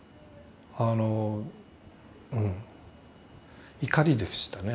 あのうん怒りでしたね